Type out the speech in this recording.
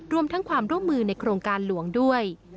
รวมทั้งความร่วมมือในโครงการหลวงด้วย